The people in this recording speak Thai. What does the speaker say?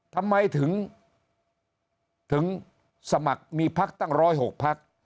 ทำไมถึงสมัครมีพักตั้ง๑๐๖พัก